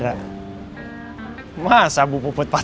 tidak ada yang bisa dipertanyakan